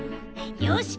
よし！